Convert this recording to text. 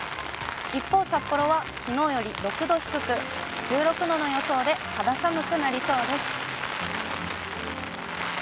一方、札幌はきのうより６度低く、１６度の予想で、肌寒くなりそうです。